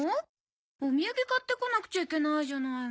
お土産買ってこなくちゃいけないじゃないの。